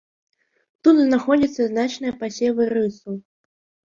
Тут знаходзяцца значныя пасевы рысу.